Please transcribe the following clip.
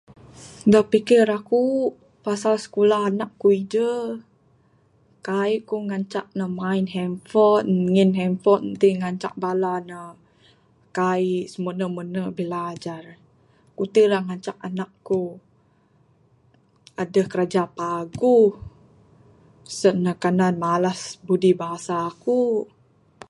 Da pikir aku pasal sikulah anak aku ije kaii ku ngancak bala ne main handphone ngin handphone ti ngancak bala ne kaii simene mene bilajar...ku ti ngancak anak ku adeh kiraja paguh sen ne kanan malas budi basa aku.